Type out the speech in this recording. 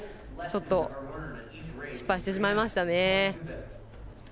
ちょっと、失敗してしまいました。